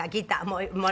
もう。